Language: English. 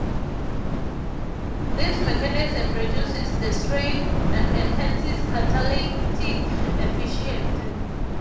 This mechanism reduces the strain and enhances catalytic efficiency.